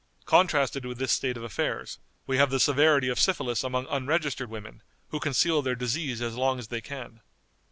_ Contrasted with this state of affairs, we have the severity of syphilis among unregistered women, who conceal their disease as long as they can.